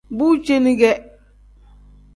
Bu ceeni kee.